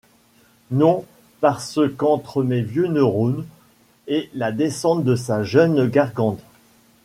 Non parce qu'entre mes vieux neurones et la descente de sa jeune gargante.